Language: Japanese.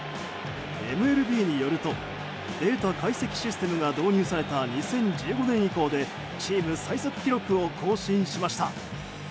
ＭＬＢによるとデータ解析システムが導入された２０１５年以降でチーム最速記録を更新しました。